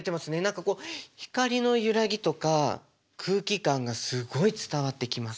何かこう光の揺らぎとか空気感がすごい伝わってきます。